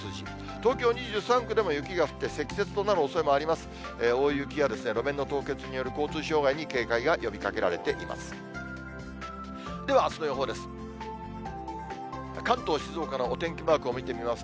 東京２３区でも雪が降って積雪となるおそれもあります。